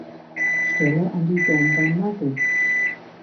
Stelle an die Denver Nuggets.